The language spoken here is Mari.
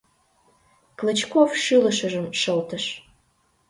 — Клычков шӱлышыжым шылтыш.